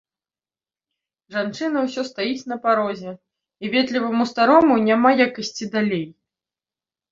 Жанчына ўсё стаіць на парозе, і ветліваму старому няма як ісці далей.